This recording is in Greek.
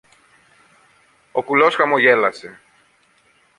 Ο κουλός χαμογέλασε.